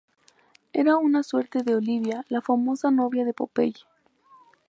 Era una suerte de Olivia, la famosa novia de Popeye.